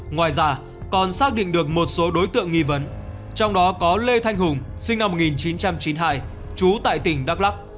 ngoài ra còn xác định được một số đối tượng nghi vấn trong đó có lê thanh hùng sinh năm một nghìn chín trăm chín mươi hai trú tại tỉnh đắk lắc